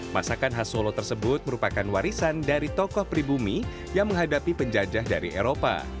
masakan khas solo tersebut merupakan warisan dari tokoh pribumi yang menghadapi penjajah dari eropa